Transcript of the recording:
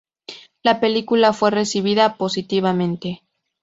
La película fue recibida positivamente.